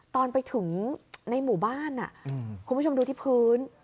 ตอนไปถึงในหมู่บ้านคุณผู้ชมดูที่พื้น